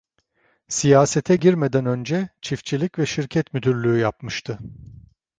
Siyasete girmeden önce çiftçilik ve şirket müdürlüğü yapmıştı.